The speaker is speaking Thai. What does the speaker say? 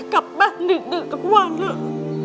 กลับบ้านดึกทุกวันเลย